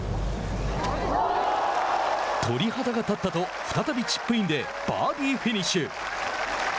鳥肌が立ったと再びチップインでバーディーフィニッシュ。